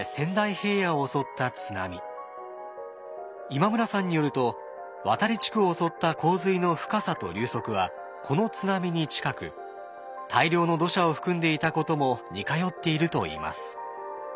今村さんによると渡地区を襲った洪水の深さと流速はこの津波に近く大量の土砂を含んでいたことも似通っているといいます。